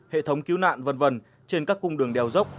hệ thống cứu nạn v v trên các cung đường đèo dốc